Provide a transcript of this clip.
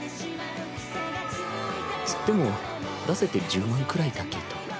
つっても出せて１０万くらいだけど。